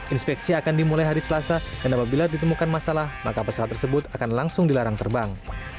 inspeksi akan dimulai hari selasa dan apabila ditemukan masalah maka pesawat tersebut akan langsung dilarang terbang